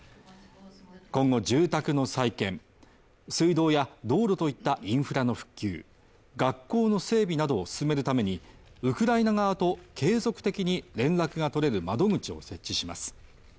今後住宅の再建水道や道路といったインフラの復旧学校の整備などを進めるためにウクライナ側と継続的に連絡が取れる窓口を設置します。